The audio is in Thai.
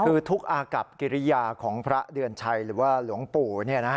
คือทุกอากับกิริยาของพระเดือนชัยหรือว่าหลวงปู่